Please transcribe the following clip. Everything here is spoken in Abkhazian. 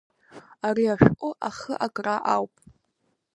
Ари ашәҟәы ахы акра ауп.